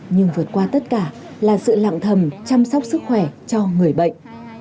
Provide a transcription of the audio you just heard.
nhưng vượt qua tất cả là sự lặng thầm chăm sóc sức khỏe cho người bệnh